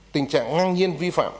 tình trạng ngang nhiên vi phạm